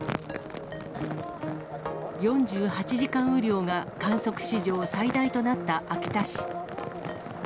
４８時間雨量が観測史上最大となった秋田市。